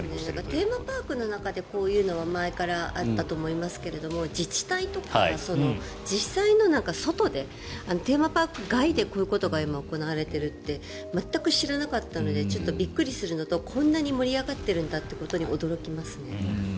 テーマパークの中でこういうのは前からあったと思いますが自治体とか実際の外でテーマパーク外でこういうことが今、行われているって全く知らなかったのでちょっとびっくりするのとこんなに盛り上がっているんだということに驚きますね。